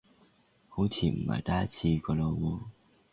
好似唔係第一次個囉喎